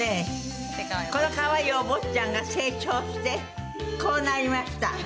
このかわいいお坊ちゃんが成長してこうなりました。